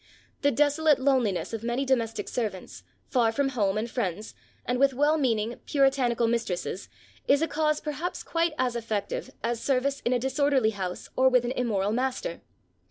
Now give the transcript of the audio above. The desolate loneliness of many domestic servants, far from home and friends, and with well meaning, puritanical mistresses, is a cause perhaps quite as effective as service in a disorderly house or with an immoral master.